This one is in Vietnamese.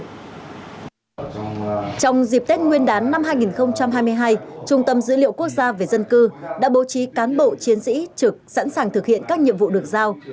trong dịp tết nguyên đán năm hai nghìn hai mươi hai trung tâm dữ liệu quốc gia về dân cư đã bố trí cán bộ chiến sĩ trực sẵn sàng thực hiện các nhiệm vụ được giao